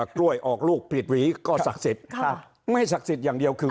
กล้วยออกลูกผิดหวีก็ศักดิ์สิทธิ์ไม่ศักดิ์สิทธิ์อย่างเดียวคือ